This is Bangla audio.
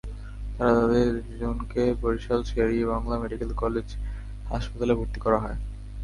তাঁদের দুজনকে বরিশাল শের-ই বাংলা মেডিকেল কলেজ হাসপাতালে ভর্তি করা হয়।